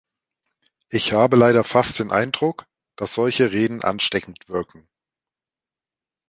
Ich habe leider fast den Eindruck, dass solche Reden ansteckend wirken.